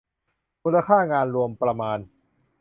มูลค่างานรวมประมาณ